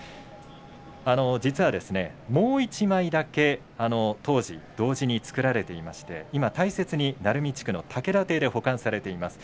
実はもう１枚だけ当時、同時に作られていまして今、大切に鳴海地区の竹田邸で保管されています。